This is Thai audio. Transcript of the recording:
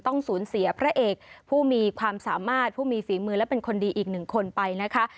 ต้องสูญเสียพระเอกผู้มีความสามารถผู้มีฝีมือและเป็นคนดีอีกหนึ่งคนไปนะคะ